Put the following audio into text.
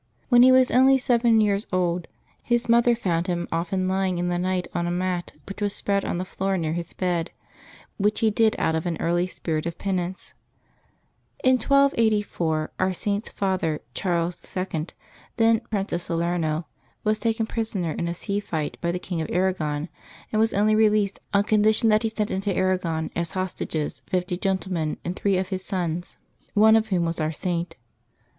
When he was only seven years old his mother found him often lying in the night on a mat which was spread on the floor near his bed, which he did out of an early spirit of penance. In 1284 our Saint's father, Charles II., then Prince of Salerno, was taken prisoner in a sea fight by the King of Arragon, and was only released on condition that he sent into Arragon, as hostages, fifty gentlemen and three of his sons, one of whom was our Saint.